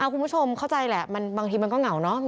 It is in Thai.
คุณผู้ชมเข้าใจแหละบางทีมันก็เหงาเนาะ